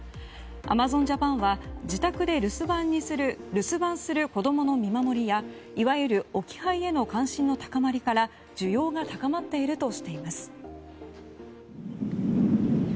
アマゾンジャパンは自宅で留守番する子供の見守りやいわゆる置き配への関心の高まりから需要が高まっているとしています。